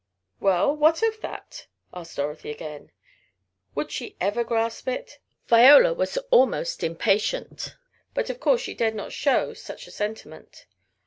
"Well, what of that?" asked Dorothy again. Would she ever grasp it? Viola was almost impatient, but of course she dare not show such a sentiment.